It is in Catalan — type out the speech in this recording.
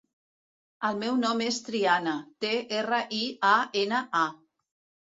El meu nom és Triana: te, erra, i, a, ena, a.